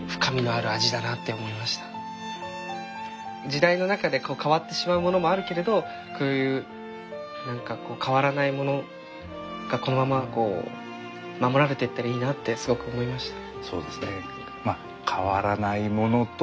時代の中で変わってしまうものもあるけどこういう何か変わらないものがこのまま守られてったらいいなってすごく思いました。